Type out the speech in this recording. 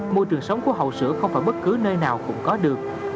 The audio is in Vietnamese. môi trường sống của hậu sữa không phải bất cứ nơi nào cũng có được